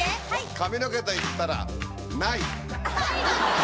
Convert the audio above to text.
髪の毛といったらない。